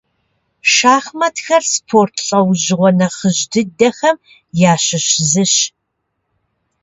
Шахматхэр спорт лӏэужьыгъуэ нэхъыжь дыдэхэм ящыщ зыщ.